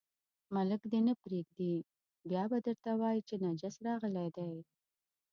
ملک دې نه پرېږدي، بیا به درته وایي چې نجس راغلی دی.